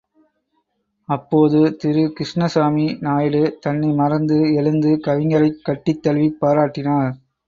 அப்போது திரு கிருஷ்ணசாமி நாயுடு தன்னை மறந்து எழுந்து கவிஞரைக் கட்டித் தழுவிப் பாராட்டினார்.